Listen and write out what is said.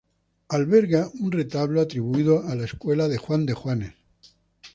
Alberga un retablo atribuido a la escuela de Juan de Juanes.